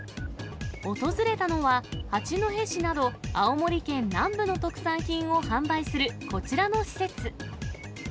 訪れたのは、八戸市など青森県南部の特産品を販売するこちらの施設。